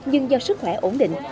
nhưng do sức khỏe ổn định